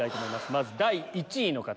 まず第１位の方です。